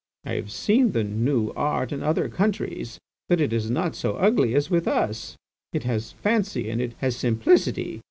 I have seen the 'new art' in other countries, but it is not so ugly as with us; it has fancy and it has simplicity.